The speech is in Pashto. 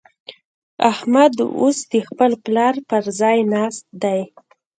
احمد اوس د خپل پلار پر ځای ناست دی.